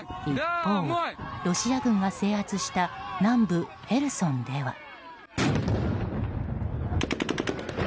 一方、ロシア軍が制圧した南部ヘルソンでは。